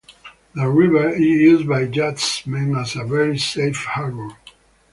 The river is used by yachtsmen as a very safe harbour.